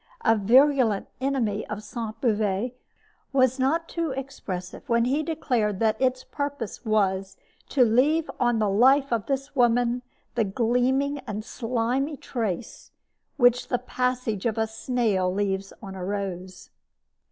A virulent enemy of Sainte Beuve was not too expressive when he declared that its purpose was "to leave on the life of this woman the gleaming and slimy trace which the passage of a snail leaves on a rose."